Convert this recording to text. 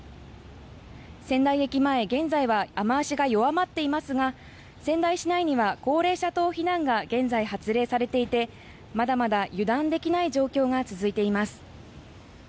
仙台駅前現在は雨脚が弱まっていますが仙台市内には高齢者等避難が現在、発令されていてまだまだ油断できない状況が続いています。